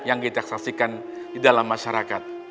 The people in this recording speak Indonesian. yang kita saksikan di dalam masyarakat